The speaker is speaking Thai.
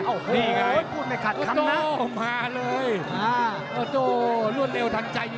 โอ้โฮพูดในขาดคำนะโอโต้มาเลยโอโต้รวดเร็วทันใจ